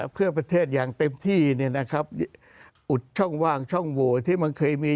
เพื่อประเทศอย่างเต็มที่อุดช่องว่างช่องโหวที่มันเคยมี